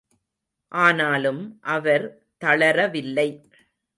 ஆனாலும் அவர் தளரவில்லை.